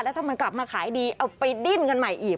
ถ้ามันกลับมาขายดีเอาไปดิ้นกันใหม่อีก